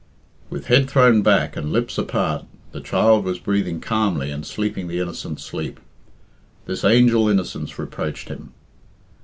With head thrown back and lips apart, the child was breathing calmly and sleeping the innocent sleep. This angel innocence reproached him.